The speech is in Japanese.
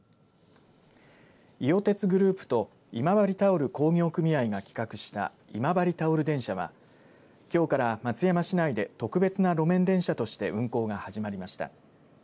伊予鉄グループと今治タオル工業組合が企画した今治タオル電車はきょうから松山市内で特別な路面電車として運行が始まりました。